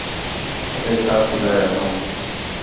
ہَتھے چھا تِھین٘دا ہے اڳّوں